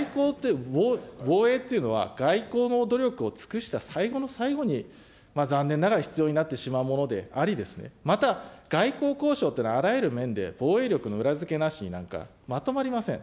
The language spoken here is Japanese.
防衛っていうのは、外交の努力を尽くした最後の最後に残念ながら必要になってしまうものであり、また外交交渉っていうのはあらゆる面で防衛力の裏付けなしになんかまとまりません。